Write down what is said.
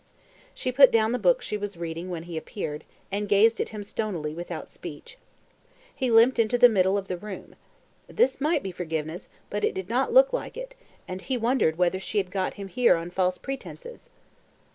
She put down the book she was reading when he appeared, and gazed at him stonily without speech. He limped into the middle of the room. This might be forgiveness, but it did not look like it, and he wondered whether she had got him here on false pretences.